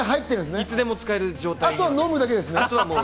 いつでも使える状態です。